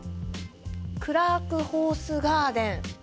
クラークホースガーデン。